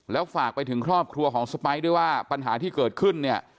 แล้วฝากไปถึงครอบครัวของสไปร์ด้วยว่าปัญหาที่เกิดขึ้นเนี่ย